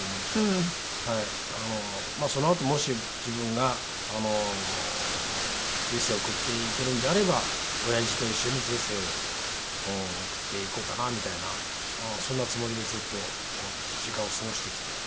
そのあともし自分が人生送っていけるんであればおやじと一緒に人生を送っていこうかなみたいなそんなつもりでずっと時間を過ごしてきて。